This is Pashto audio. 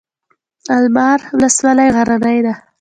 المار ولسوالۍ غرنۍ ده؟